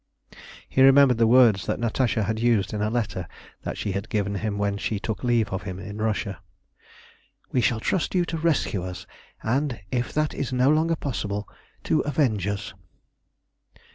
He remembered the words that Natasha had used in a letter that she had given him when she took leave of him in Russia. "We shall trust to you to rescue us, and, if that is no longer possible, to avenge us."